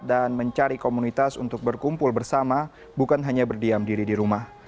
dan mencari komunitas untuk berkumpul bersama bukan hanya berdiam diri di rumah